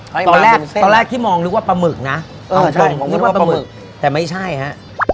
ตอนแรกตอนแรกที่มองนึกว่าปลาหมึกนะใช่ผมนึกว่าปลาหมึกแต่ไม่ใช่ฮะ